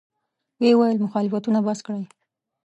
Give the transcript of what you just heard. ویې ویل: مخالفتونه بس کړئ.